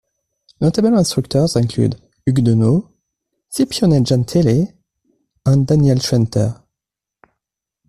Notable instructors include Hugues Doneau, Scipione Gentili, and Daniel Schwenter.